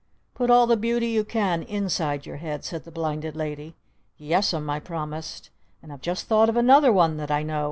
"Put all the Beauty you can inside your head!" said the Blinded Lady. "Yes'm!" I promised. "And I've just thought of another one that I know!